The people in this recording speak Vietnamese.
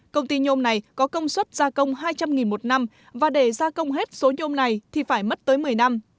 công ty nhôm này có công suất gia công hai trăm linh một năm và để gia công hết số nhôm này thì phải mất tới một mươi năm